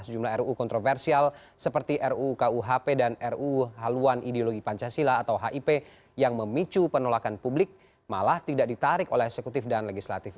sejumlah ru kontroversial seperti ru kuhp dan ruu haluan ideologi pancasila atau hip yang memicu penolakan publik malah tidak ditarik oleh eksekutif dan legislatif